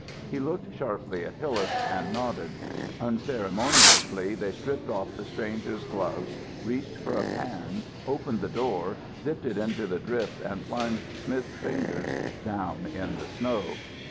He looked sharply at Hillas and nodded. Unceremoniously they stripped off the stranger's gloves, reached for a pan, opened the door, dipped it into the drift and plunged Smith's fingers down in the snow.